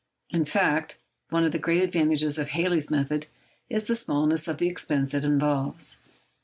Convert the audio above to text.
In fact, one of the great advantages of Halley's method is the smallness of the expense it involves.